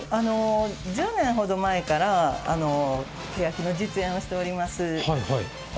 １０年ほど前から手焼きの実演をしております。